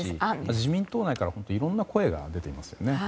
自民党内からは本当にいろんな声が出ていますよね。